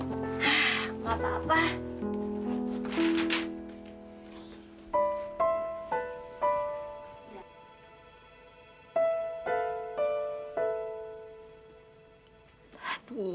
aku enggak apa apa